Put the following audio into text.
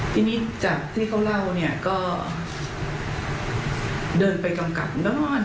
ทีนี้จากที่เขาเล่าเนี่ยก็เดินไปกำกับนอน